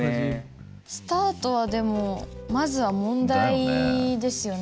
スタートはでもまずは問題ですよね